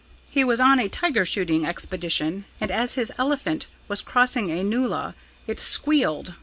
He was on a tiger shooting expedition, and as his elephant was crossing a nullah, it squealed.